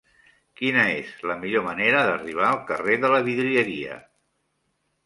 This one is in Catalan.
Quina és la millor manera d'arribar al carrer de la Vidrieria?